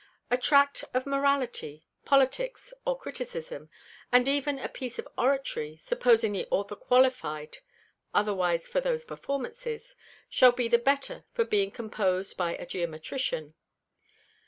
A Tract of Morality, Politicks, or Criticism, and even a Piece of Oratory, supposing the Author qualify'd otherwise for those Performances, shall be the better for being compos'd by a Geometrician.